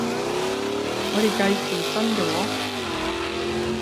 我哋計時薪嘅喎？